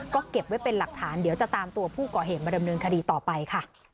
ก็เก็บไว้เป็นหลักฐานเดี๋ยวจะตามตัวผู้ก่อเหตุมาดำเนินคดีต่อไปค่ะ